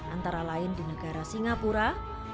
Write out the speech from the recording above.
antara lain di negara singapura